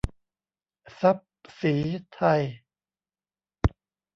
ทรัพย์ศรีไทย